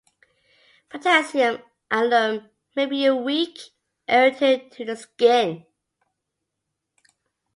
Potassium alum may be a weak irritant to the skin.